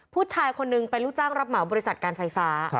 ผู้ชายคนนึงไปรู้จักรับหม่าบริษัทการไฟฟ้า